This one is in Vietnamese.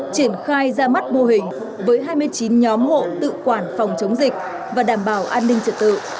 triển khai ra mắt mô hình với hai mươi chín nhóm hộ tự quản phòng chống dịch và đảm bảo an ninh trật tự